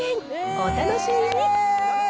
お楽しみに。